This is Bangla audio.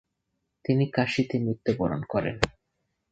তিনি কাশীতে মৃত্যুবরণ করেন ।